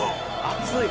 「熱い」